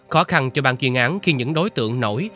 khó khăn cho bàn chuyên án khi những đối tượng nổi